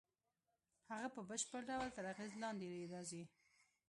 هغه په بشپړ ډول تر اغېز لاندې یې راځي